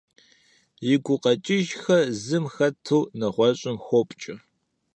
И гукъэкӀыжхэр зым хэту нэгъуэщӀым хопкӀэ.